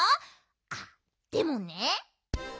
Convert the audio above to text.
あっでもね。